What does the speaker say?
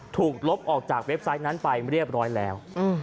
ลบออกจากเว็บไซต์นั้นไปเรียบร้อยแล้ว